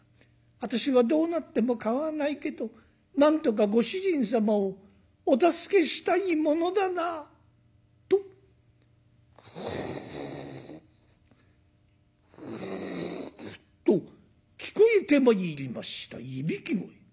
私はどうなっても構わないけどなんとかご主人様をお助けしたいものだな」と。と聞こえてまいりましたいびき声。